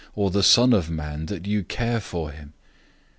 Or the son of man, that you care for him?